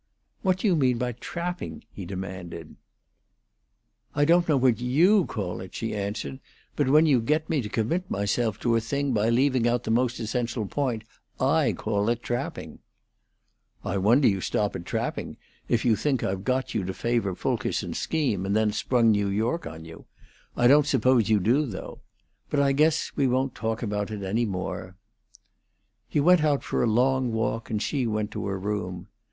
"What do you mean by trapping?" he demanded. "I don't know what you call it," she answered; "but when you get me to commit myself to a thing by leaving out the most essential point, I call it trapping." "I wonder you stop at trapping, if you think I got you to favor Fulkerson's scheme and then sprung New York on you. I don't suppose you do, though. But I guess we won't talk about it any more." He went out for a long walk, and she went to her room.